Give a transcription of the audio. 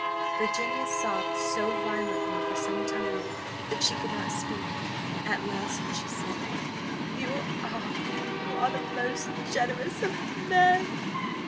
Virginia sobbed so violently for some time, that she could not speak: at last she said, "You are you are the most generous of men!